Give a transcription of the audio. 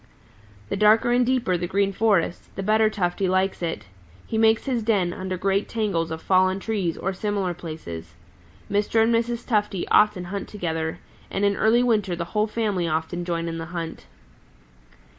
"The darker and deeper the Green Forest, the better Tufty likes it. He makes his den under great tangles of fallen trees or similar places. Mr. And Mrs. Tufty often hunt together, and in early winter the whole family often join in the hunt.